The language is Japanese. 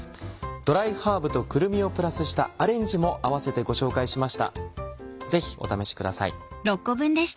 ドライハーブとくるみをプラスしたアレンジも併せてご紹介しました